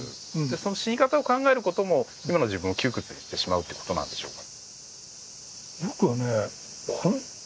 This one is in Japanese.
その死に方を考えることも今の自分が窮屈になってしまうということなんでしょうか。